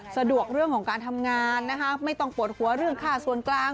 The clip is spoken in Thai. สะดวกเรื่องของการทำงานนะคะไม่ต้องปวดหัวเรื่องค่าส่วนกลาง